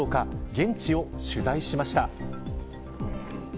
現地を取材しました。